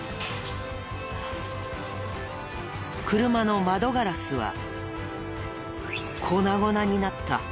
車の窓ガラスは粉々になった。